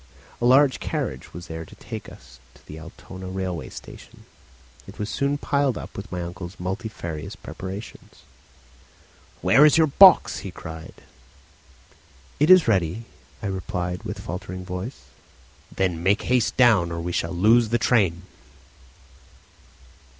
A large carriage was there to take us to the Altona railway station. It was soon piled up with my uncle's multifarious preparations. "Where's your box?" he cried. "It is ready," I replied, with faltering voice. "Then make haste down, or we shall lose the train."